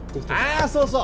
ああそうそう